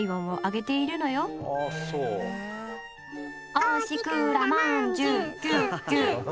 おしくらまんじゅうギュウギュウギュウ。